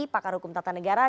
pakar hukum tata negara